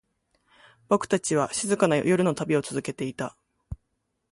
僕たちは、静かな夜の旅を続けていた。